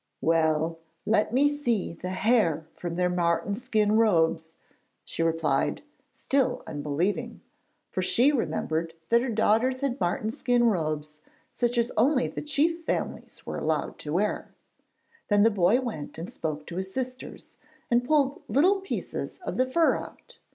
'Well, let me see the hair from their marten skin robes,' she replied, still unbelieving, for she remembered that her daughters had marten skin robes, such as only the chief families were allowed to wear. Then the boy went and spoke to his sisters, and pulled little pieces of the fur out.